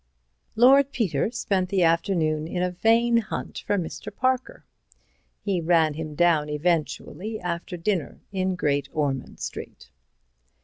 Lord Peter spent the afternoon in a vain hunt for Mr. Parker. He ran him down eventually after dinner in Great Ormond Street.